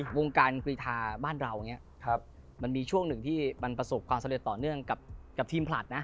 วงการกรีธาบ้านเราอย่างนี้มันมีช่วงหนึ่งที่มันประสบความสำเร็จต่อเนื่องกับทีมผลัดนะ